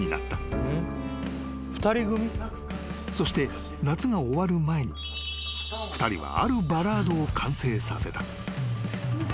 ［そして夏が終わる前に２人はあるバラードを完成させた］